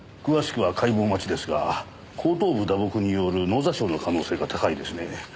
詳しくは解剖待ちですが後頭部打撲による脳挫傷の可能性が高いですね。